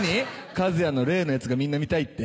カズヤの例のやつがみんな見たいって？